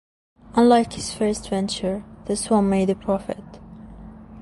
Unlike his first venture, this one made a profit.